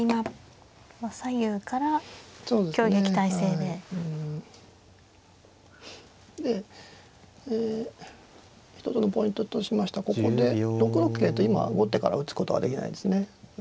でええ一つのポイントとしましてはここで６六桂と今は後手から打つことはできないですね。